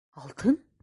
Алтын?!